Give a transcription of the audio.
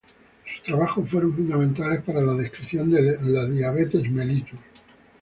Sus trabajos fueron fundamentales para la descripción de la Diabetes mellitus.